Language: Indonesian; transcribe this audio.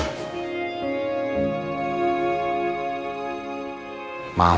maaf kalau jessy belum sempet sadar